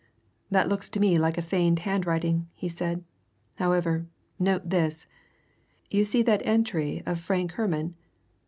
"That looks to me like a feigned handwriting," he said. "However, note this. You see that entry of Frank Herman?